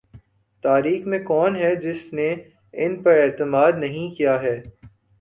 تاریخ میں کون ہے جس نے ان پر اعتماد نہیں کیا ہے۔